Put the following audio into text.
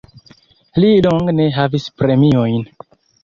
Li longe ne havis premiojn.